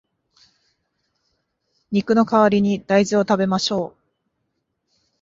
肉の代わりに大豆を食べましょう